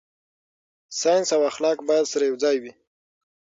ساينس او اخلاق باید سره یوځای وي.